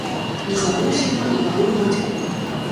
Не забыўся ён і на ролю бацькоў.